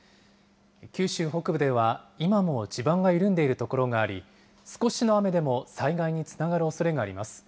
九州北部では、今も地盤が緩んでいる所があり、少しの雨でも災害につながるおそれがあります。